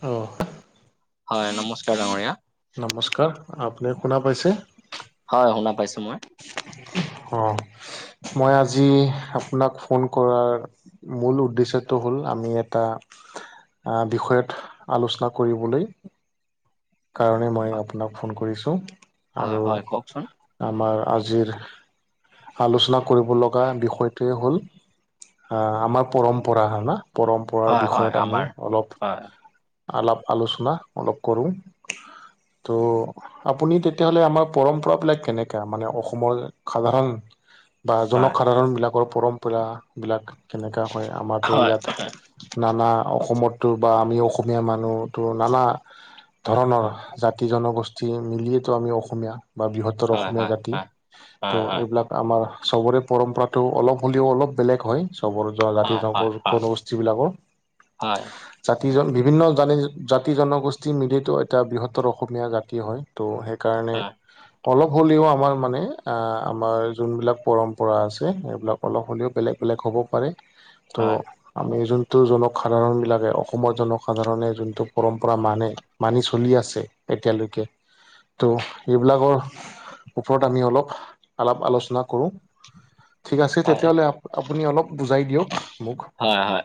অ হয় নমস্কাৰ ডাঙৰীয়া নমস্কাৰ আপুনি শুনা পাইছে। হয় শুনা পাইছো মই অ মই আজি আপোনাক ফোন কৰাৰ মূল উদ্দেশ্যটো হ'ল আমি এটা আহ বিষয়ত আলোচনা কৰিবলৈ কাৰণে মই আপোনাক ফোন কৰিছোঁ হয় আৰু হয় কওকচোন আমাৰ আজিৰ আলোচনা কৰিবলগা বিষয়টোৱেই হ'ল আমাৰ পৰম্পৰা হয় না পৰম্পৰাৰ হয় হয় বিষয়ত আমি আমাৰ অলপ হয় আলাপ আলোচনা অলপ কৰোঁ ত' আপুনি তেতিয়াহ'লে আমাৰ পৰম্পৰা বিলাক কেনেকুৱা মানে অসমৰ সাধাৰণ বা হয় জনসাধাৰণ বিলাকৰ পৰম্পৰা বিলাক কেনেকা হয় আমাৰো হয় ইয়াত নানা অসমতো বা আমি অসমীয়া মানুহতো নানা ধৰণৰ জাতি জনগোষ্ঠী মিলিয়েতো আমি অসমীয়া বা বৃহত্তৰ হয় অসমীয়া হয় জাতি হয় হয় ত' হয় হয় এইবিলাক আমাৰ চবৰে পৰম্পৰাতটো অলপ হ'লেও অলপ বেলেগ হয় চবৰে তো জাতি হয় হয় হয় জন হয় জনগোষ্ঠী বিলাকৰ জাতি জন বিভিন্ন জ জাতি জনগোষ্ঠীৰ মিলিটো এটা বৃহত্তৰ অসমীয়া জাতি হয় ত' সেইকাৰণে অলপ হ'লেও আমাৰ মানে আ আমাৰ যোনবিলাক পৰম্পৰা আছে সেইবিলাক অলপ হ'লেও বেলেগ বেলেগ হ'ব পাৰে ত' আমি যোনটো জনসাধাৰণ বিলাকে অসমৰ জনসাধাৰণে যোনটো পৰম্পৰা মানে মানি চলি আছে এতিয়ালৈকে। ত' এইবিলাকৰ ওপৰত আমি অলপ আলাপ আলোচনা কৰো ঠিক আছে হয় তেতিয়াহ'লে আপুনি অলপ বুজাই দিয়ক মোক হয় হয় হয়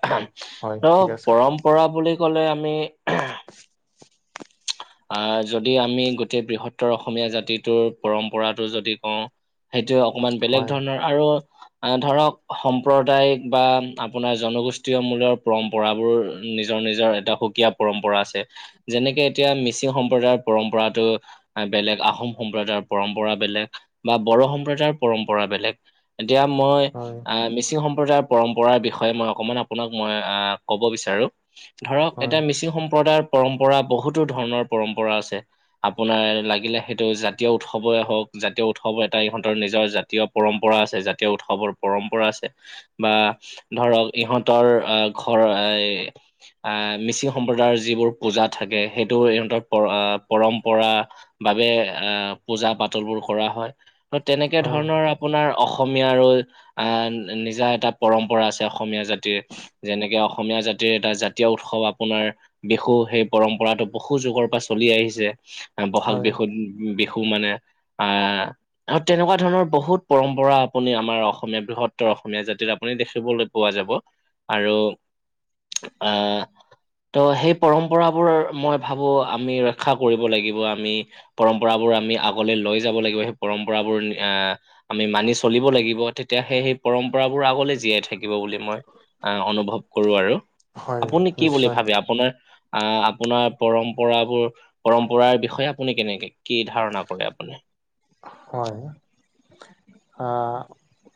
হয় ত ঠিক আছে পৰম্পৰা বুলি ক'লে আমি আহ যদি আমি গোটেই বৃহত্তৰ অসমীয়া জাতিটোৰ পৰম্পৰাটো যদি কওঁ। সেইটোয়ে অকমান বেলেগ হয় ধৰণৰ আৰু ধৰক সমাম্প্ৰদায়িক বা আপোনাৰ জনগোষ্ঠীয় মূলৰ পৰম্প পৰা বোৰ নিজৰ নিজৰ এটা সুকীয়া পৰম্পৰা আছে যেনেকে এতিয়া মিচিং সম্প্ৰদায়ৰ পৰম্পৰাটো বেলেগ আহোম সম্প্ৰদায়ৰ পৰম্পৰা বেলেগ বা বডো সম্প্ৰদায়ৰ পৰম্পৰা বেলেগ এতিয়া মই হয় আহ মিচিং সম প্ৰজায়ৰ পৰম্পৰাৰ বিষয়ে মই অকনমান আপোনাক মই আহ কব বিচাৰো ধৰক হয় এটা মিচিং সম্প্ৰদায়ৰ পৰম্পৰা বহুতো ধৰণৰ পৰম্পৰা আছে। আপোনাৰ লাগিলে সেইটো জাতীয় উৎসৱই হওক জাতীয় উৎসৱ এটা ইহঁতৰ নিজৰ জাতীয় পৰম্পৰা আছে জাতীয় উৎসৱৰ পৰম্পৰা আছে। বা ধৰক ইহঁতৰ আহ ঘৰ এ আহ মিচিং সম্প্ৰদায়ৰ যিবোৰ পূজা থাকে সেইটো ইহঁতৰ পৰ পৰম্পৰা বাবে আহ পূজা পাতলবোৰ কৰা হয় ত তেনেকে হয় ধৰণৰ [unintelligible] আপোনাৰ অসমীয়া আৰু আহ নিজা এটা পৰম্পৰা আছে অসমীয়া জাতিৰ। [inaudible] যেনেকে অসমীয়া জাতিৰ এটা জাতীয় উৎসৱ আপোনাৰ বিহু সেই পৰম্পৰাটো [unintelligible] বহু যুগৰ পৰা চলি আহিছে। বহাগ হয় বিহুত বিহু মানে আহ [unintelligible] আৰু তেনেকুৱা ধৰণৰ বহুত পৰম্পৰা আপুনি আমাৰ অসমীয়া বৃহত্তৰ অসমীয়া জাতিত আপুনি দেখিবলৈ [unintelligible] পোৱা যাব। আৰু [unintelligible] [unintelligible] আহ ত' সেই পৰম্পৰাবোৰ মই ভাবোঁ আমি ৰক্ষা কৰিব লাগিব আমি। [inaudible] পৰম্পৰাবোৰ আমি আগলৈ লৈ যাব লাগিব সেই পৰম্পৰাবোৰ আহ [unintelligible] আমি মানি চলিব লাগিব তেতিয়া সেই পৰম্পৰাবোৰ আগলে জীয়াই থাকি [unintelligible] থাকিব বুলি মই আহ অনুভৱ কৰোঁ আৰু। হয় আপুনি কি বুলি নিশ্চয় ভাবে আপোনাৰ [unintelligible] আহ আপোনাৰ পৰম্পৰাবোৰ পৰম্পৰাৰ বিষয়ে আপুনি কেনেকে [inaudible] কি ধাৰণা কৰে আপুনি? [unintelligible] হয় [inaudible] আহ!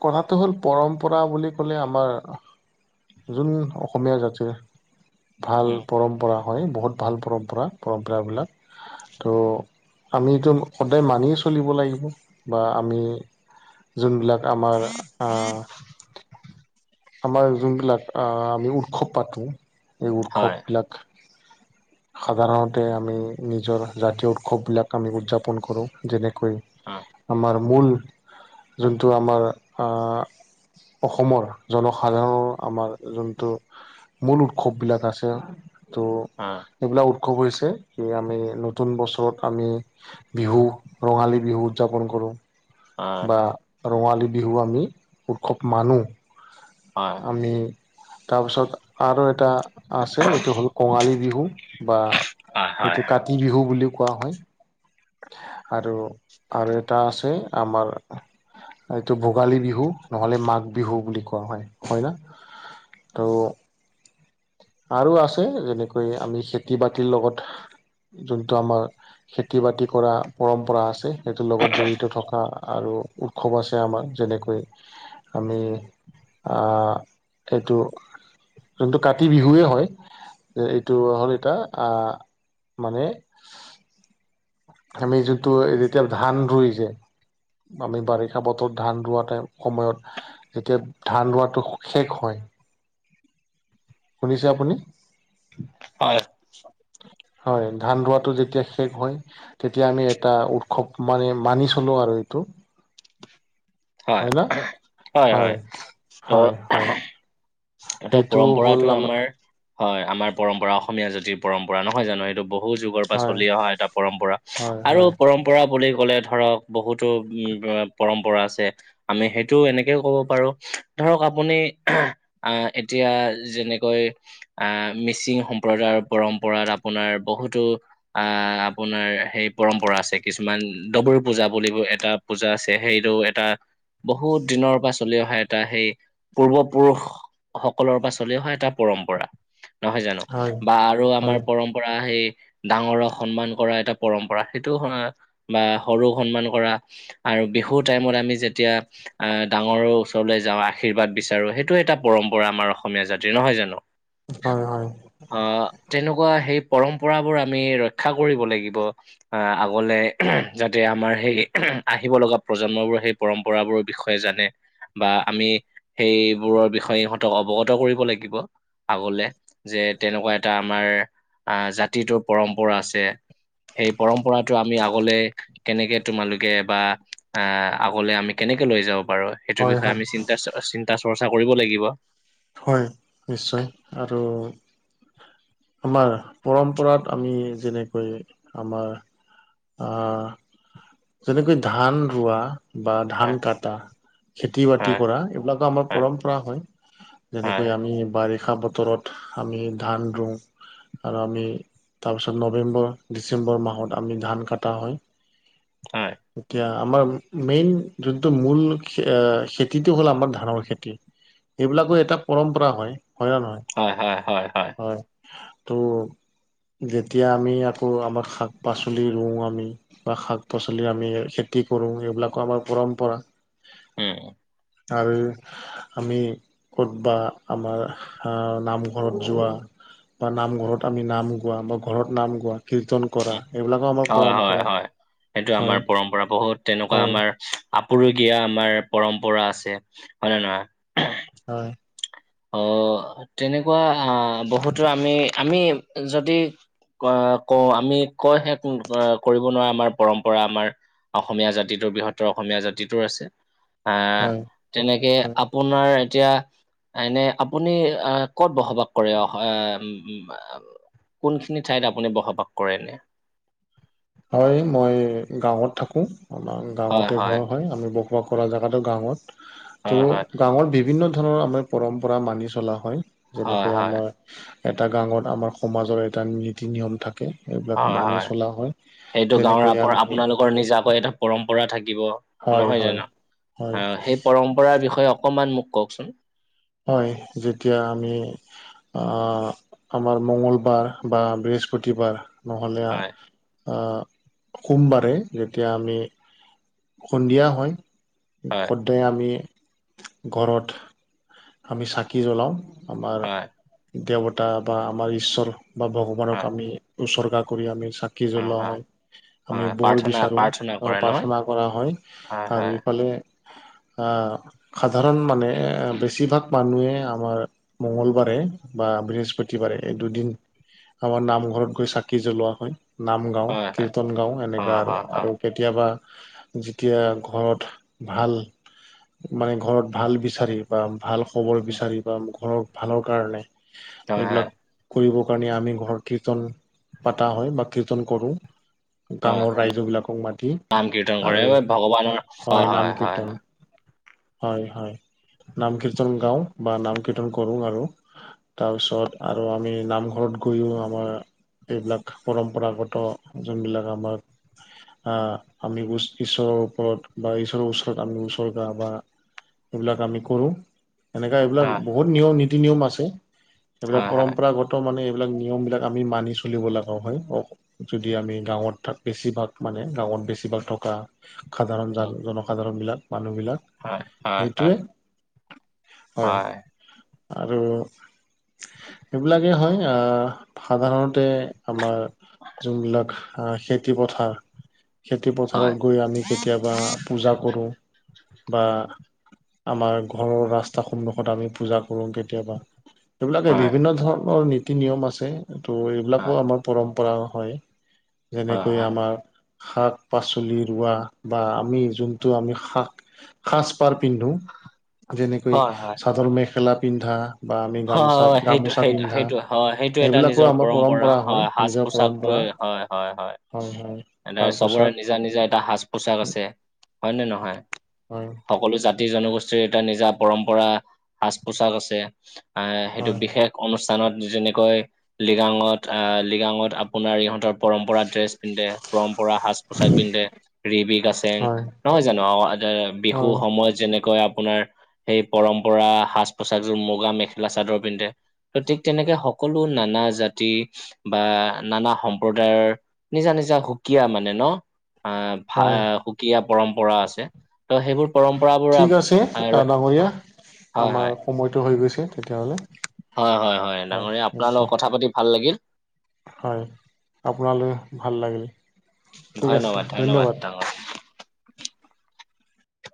কথাটো হ'ল পৰম্পৰা বুলি ক'লে আমাৰ [unintelligible] যোন অসমীয়া জাতিৰ [inaudible] ভাল উম পৰম্পৰা হয়। বহুত ভাল পৰম্পৰা পৰম্পৰাবিলাক ত' [unintelligible] আমিতো সদায় মানি চলিব লাগিব বা আমি যোনবিলাক [inaudible] আমাৰ আহ [unintelligible] আমাৰ যোনবিলাক আহ আমি উৎসৱ পাতো এই হয় উৎসৱবিলাক [unintelligible] সাধাৰণতে আমি নিজৰ জাতীয় উৎসৱবিলাক আমি উদযাপন কৰোঁ। [unintelligible] যেনেকৈ হয় [inaudible] আমাৰ মূল যোনটো আমাৰ আহ অসমৰ [unintelligible] জনসাধাৰণৰ আমাৰ যোনটো মূল উৎসৱবিলাক আছে ত' [unintelligible] অঁ [inaudible] সেইবিলাক উৎসৱ হৈছে কি আমি নতুন বছৰত আমি [unintelligible] বিহু, ৰঙালী বিহু উদযাপন কৰোঁ। [unintelligible] হয় আহ ৰঙালী বিহু আমি উৎসৱ মানো। [unintelligible] হয়। [inaudible] আমি তাৰপিছত আৰু এটা [inaudible] আছে এইটো হ'ল কঙালী বিহু বা হয় হয় এইটো কাতি বিহু বুলিও কোৱা হয়। [unintelligible] [unintelligible] আৰু-আৰু এটা আছে আমাৰ এইটো ভোগালী বিহু নহ'লে মাঘ বিহু বুলি কোৱা হয়। হয় না? [inaudible] [inaudible] তো আৰু আছে যেনেকৈ আমি খেতি-বাতিৰ লগত [unintelligible] যোনটো আমাৰ খেতি-বাতি কৰা পৰম্পৰা আছে। [unintelligible] সেইটোৰ লগত জড়িত থকা আৰু [unintelligible] উৎসৱ আছে আমাৰ যেনেকৈ আমি আহ এইটো [unintelligible] যোনটো কাতি বিহুৱেই হয়। এইটো হ'ল এটা আহ মানে [unintelligible] আমি যোনটো যেতিয়া ধান ৰুই যে [inaudible] আমি বাৰিষা বতৰত ধান ৰোৱা টাইম সময়ত [unintelligible] যেতিয়া ধান ৰোৱাটো শেষ হয় [unintelligible] শুনিছে আপুনি? [inaudible] হয়। [inaudible] হয়। ধান ৰোৱাটো যেতিয়া শেষ হয় [unintelligible] তেতিয়া আমি এটা উৎসৱ মানে মানি চলো, আৰু এইটো হয় ন, হয়, হয়, হয়। ত, সেইটো হ'ল পৰম্পৰাতটো আমাৰ, হয় আমাৰ পৰম্পৰা অসমীয়া জাতিৰ পৰম্পৰা, নহয় জানো এইটো বহুত বহু, যুগৰ পৰা হয় চলি অহা এটা পৰম্পৰা আৰু, হয় হয় পৰম্প পৰম্পৰা বুলি ক'লে ধৰক, বহুতো পৰম্পৰা আছে। আমি সেইটো এনেকেই ক'ব পাৰো, ধৰক আপুনি আহ, এতিয়া যেনেকৈ আহ, মিচিং সম্প্ৰদায়ৰ পৰম্পৰাত আপোনাৰ বহুতো আহ, আপোনাৰ সেই পৰম্পৰা আছে, কিছুমান ডবৰি পূজা বুলি এটা পূজা আছে, সেইটো এটা বহুত দিনৰ পৰা চলি অহা এটা সেই, পূৰ্বপুৰুষ সকলোৰে পৰা চলি অহা এটা পৰম্পৰা, নহয় জানো হয় বা আৰু আমাৰ হয় পৰম্প কৰা সেই, ডাঙৰক সন্মান কৰা এটা পৰম্পৰা, সেইটো বা সৰু সন্মান কৰা, আৰু বিহুৰ টাইমত আমি যেতিয়া আহ ডাঙৰৰ ওচৰলৈ যাওঁ আশীৰ্বাদ বিচাৰো, সেইটো এটা পৰম্পৰা আমাৰ অসমীয়া জাতিৰ নহয় জানো। হয়, হয়। আহ, তেনেকুৱা সেই পৰম্পৰাবোৰ আমি ৰক্ষা কৰিব লাগিব। আহ, আগলে যাতে, আমাৰ সেই আহিব লগা প্ৰজন্মবোৰ সেই পৰম্পৰাবোৰৰ বিষয়ে জানে, বা আমি সেইবোৰৰ বিষয়ে হয়, সিহঁতক অৱগত কৰিব লাগিব। আগলে যে তেনেকুৱা এটা আমাৰ আহ, জাতিটোৰ পৰম্পৰা আছে। সেই পৰম্পৰাতটো আমি আগলে, কেনেকে তোমালোকে বা। আহ, আগলে আমি কেনেকে লৈ যাব পাৰো? সেইটোৰ হয় বিষয়ে হয় আমি চিন্তা-চিন্তা চৰ্চা কৰিব লাগিব। হয, নিশ্চয় কথাটো আমাৰ পৰম্পৰাত আমি যেনেকৈ, আমাৰ আহ, যেনেকৈ ধান ৰোৱা। বা ধান কটা, খেতি বাতি হয় কৰা, এইবিলাকো আমাৰ হয় পৰম্পৰা হয়। যেনেকৈ হয় আমি বাৰিষা বতৰত আমি ধান ৰুওঁ, আৰু আমি তাৰপিছত নৱেম্বৰ, ডিচেম্বৰ মাহত আমি ধান কাটা হয়। হয়। এতিয়া আমাৰ মেইন যোনটো মূল খেতিটো হ'ল, আমাৰ ধানৰ খেতি। এইবিলাকো এটা পৰম্পৰা হয়, হয় নে নহয়? হয়, হয়, হয়, হয়। হয়, ত, যেতিয়া আমি আকৌ আমাৰ শাক-পাচলি ৰুওঁ আমি বা শাক-পাচলি আমি খেতি কৰোঁ, এইবিলাকো আমাৰ পৰম্পৰা। উম, আৰু আমি ক'ত বা আমাৰ নামঘৰত যোৱা। বা নামঘৰত আমি নাম গোৱা, বা ঘৰত নাম গোৱা। কীৰ্তন কৰা, উম, এইবিলাকো আমাৰ হয়, হয়, পৰম্পৰা। হয়। সেইটো হয় আমাৰ পৰম্পৰা, বহুত তেনেকুৱা হয় আমাৰ আপুৰুগীয়া আমাৰ পৰম্পৰা আছে, হয় নে নহয়? হয়। অহ, তেনেকুৱা আহ বহুতো আমি, আমি, যদি কও আমি কয় শেষ কৰিব নোৱাৰা আমাৰ পৰম্পৰা আমাৰ অসমীয়া জাতিটোৰ বৃহত্তৰ অসমীয়া জাতিটোৰ আছে। আহ হয় তেনেকে নিশ্চয় আপোনাৰ এতিয়া এনে আপুনি আহ ক'ত বসবাস কৰে? অহ কোনখিনি ঠাইত আপুনি বসবাস কৰে? হয়, মই গাঁৱত থাকো আমাৰ গাঁৱতে ঘৰ হয় আমি বস বাস কৰা জেগাতো গাঁৱত হয়, হয়, ত' গাঁৱত বিভিন্ন ধৰণৰ আমাৰ পৰম্পৰা মানি চলা হয় হয়, যেনেকৈ হয়। আমাৰ এটা গাৱত আমাৰ সমাজৰ এটা নীতি নিয়ম থাকে এইবিলাক হয় হয় মানি চলা হয়। সেইটো যেনেকৈ গাঁৱৰ আমি আপোনালোকৰ নিজাকৈ এটা পৰম্পৰা থাকিব হয় নহয় হয় জানো! হয়। অ', সেই পৰম্পৰাৰ বিষয়ে অকমান মোক কওকচোন। হয়, যেতিয়া আমি আহ আমাৰ মঙ্গলবাৰ বা বৃহস্পতিবাৰ নহ'লে- হয় আ সোমবাৰে যেতিয়া আমি সন্ধিয়া হয়। হয় সদায় আমি, ঘৰত আমি চাকি জ্বলাওঁ আমাৰ হয় দেৱতা বা আমাৰ ঈশ্বৰ বা ভগৱানক হয় আমি উসৰ্গা কৰি আমি, চাকি জ্বলোৱা হয়। আমি হয় বৰ প্ৰাৰ্থনা বিচাৰো প্ৰাৰ্থনা কৰে নহয় প্ৰাৰ্থনা কৰা হয় হয় আৰু হয় ইফালে আ সাধাৰণ মানে বেছিভাগ মানুহে আমাৰ মঙ্গলবাৰে বা বৃহস্পতিবাৰে এই দুদিন আমাৰ নামঘৰত গৈ চাকি জ্বলোৱা হয় নাম গাও হয় হয় কীৰ্তন গাও অ এনেকা আৰু হয় হয় আৰু কেতিয়াবা যেতিয়া ঘৰত ভাল মানে ঘৰত ভাল বিচাৰি বা ভাল খবৰ উম, বিচাৰি বা ঘৰৰ ভালৰ কাৰণে হয় হয় এইবিলাক কৰিবৰ কাৰণে আমি ঘৰত কীৰ্তন পতা হয় বা কীৰ্তন কৰোঁ। হয় গাঁৱৰ হয়। ৰাইজ বিলাকক মাতি নাম কীৰ্তন কৰে আৰু ঐ ভগৱানৰ অ হয় নাম হয় কীৰ্তন হয়, হয়, নাম কীৰ্তন গাও বা নাম কীৰ্তন কৰো, আৰু তাৰপিছত আৰু আমি নামঘৰত গৈও আমাৰ এইবিলাক পৰম্পৰাগত যোনবিলাক আমাৰ আহ আমি ঈশ্বৰৰ ওপৰত বা ঈশ্বৰৰ ওচৰত আমি ওচৰ্গা বা সেইবিলাক আমি কৰোঁ এনেকা এইবিলাক হয় বহুত নিয়ম নীতি নিয়ম আছে হয় এইবিলাক হয় হয় পৰম্পৰাগত মানে এইবিলাক নিয়ম বিলাক আমি মানি চলিব লগা হয়। যদি আমি গাঁৱত বেছিভাগ মানে গাঁৱত বেছিভাগ থকা। সাধাৰণ উম, জ জনসাধাৰণবিলাক মানুহবিলাক হয় হয় হয়। সেইটোৱে হয়, আৰু এইবিলাকেই হয়। আহ সাধাৰণতে আমাৰ যোনবিলাক আহ খেতি পথাৰ খেতি হয় হয় পথাৰত গৈ আমি। কেতিয়াবা পূজা কৰোঁ বা আমাৰ। ঘৰৰ ৰাস্তা সন্মুখত আমি পূজা কৰো কেতিয়াবা এইবিলাকে হয় বিভিন্ন ধৰণৰ ন নীতি নিয়ম আছে ত' এইবিলাকো আমাৰ পৰম্পৰা হয় হয় হয় যেনেকৈ আমাৰ। শাক পাচলি ৰোৱা বা আমি যোনটো আমি শাক, সাজ পাৰ পিন্ধো যেনেকৈ হয় হয় চাদৰ মেখেলা পিন্ধা বা আমি গামচা হয়, সেইটো গামোচা সেইটো পিন্ধা সেইটো হয় সেইটো এটা সেইবিলাকো নিজৰ আমাৰ পৰম্পৰা হয় সাজ নিজৰ পৰম্পৰা পোছাকটোৱে হয়। হয়, হয়। হয় এনেদৰে সাজ চবৰে পোছাক নিজা নিজা এটা সাজ পোছাক আছে হয় নে নহয় হয় সকলো জাতি জনগোষ্ঠীৰ এটা নিজা পৰম্পৰা সাজ পোছাক আছে আহ সেইটো হয় বিশেষ অনুষ্ঠানত যেনেকৈ লিগাঙত আহ লিগাঙত আপ আপোনাৰ ইহঁতৰ পৰম্পৰা ড্ৰেছ পিন্ধে পৰম্পৰা সাজ পোছাক পিন্ধে ৰিবি কাছেং হয় নহয় জানো অ এ বিহুৰ হয় সময়ত যেনেকৈ আপোনাৰ সেই পৰম্পৰা সাজ পোছাকযোৰ মুগা মেখেলা চাদৰ পিন্ধে ত ঠিক তেনেকে সকলো নানা জাতি বা নানা সম্প্ৰদায়ৰ নিজা নিজা সুকীয়া মানে ন আ ভা হয় সুকীয়া পৰম্পৰা আছে ত সেইবোৰ পৰম্পৰাবোৰ আ ঠিক আছে হয় ডাঙৰীয়া হয় আমাৰ হয় সময়টো হৈ গৈছে তেতিয়াহ'লে হয় হয় হয় ডাঙৰীয়া আপোনাৰ লগত কথা পাতি ভাল লাগিল হয় আপোনালৈ ভাল লাগিল ঠিক আছে ধন্যবাদ